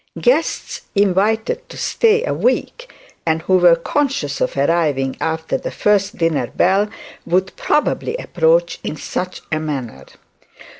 Guests invited to stay a week, and who were conscious of arriving after the first dinner bell, would probably approach in such a manner.